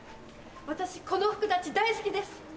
私この服たち大好きです。